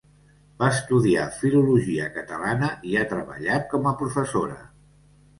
Va estudiar filologia catalana i ha treballat com a professora.